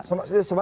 semata dan mestama